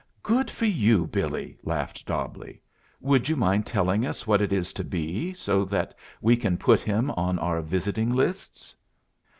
"Good for you, Billie!" laughed Dobbleigh. "Would you mind telling us what it is to be, so that we can put him on our visiting lists?"